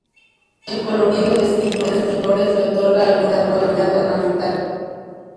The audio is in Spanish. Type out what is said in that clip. El colorido de sus flores le otorga alguna cualidad ornamental.